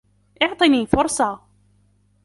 اعطني فرصة!